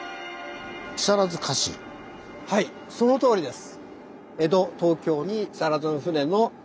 はいそのとおりです。